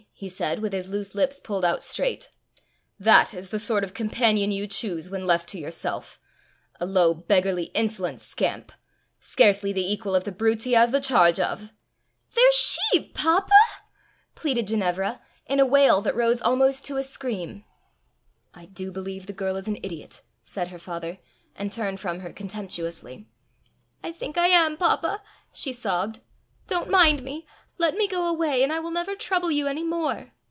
he said, with his loose lips pulled out straight, "that is the sort of companion you choose when left to yourself! a low, beggarly, insolent scamp! scarcely the equal of the brutes he has the charge of!" "They're sheep, papa!" pleaded Ginevra, in a wail that rose almost to a scream. "I do believe the girl is an idiot!" said her father, and turned from her contemptuously. "I think I am, papa," she sobbed. "Don't mind me. Let me go away, and I will never trouble you any more."